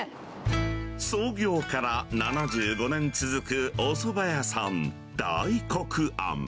創業から７５年続くおそば屋さん、大黒庵。